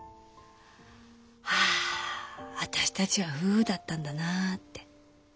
ああ私たちは夫婦だったんだなあって。